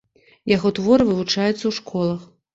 Яго творы вывучаюцца ў школах.